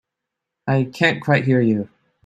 I can't quite hear you.